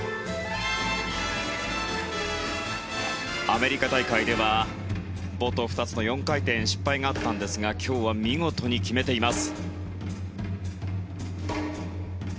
アメリカ大会では冒頭２つの４回転で失敗があったんですが今日は見事に決めています。